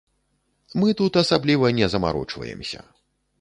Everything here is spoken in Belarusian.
Мы тут асабліва не замарочваемся.